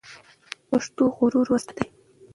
پښتو غرور ساتي.